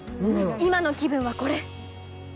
今の気分はこれ。